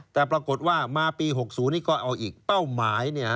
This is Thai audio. แต่ปรากฏว่ามาปี๖๐นี้ก็เอาอีกเป้าหมาย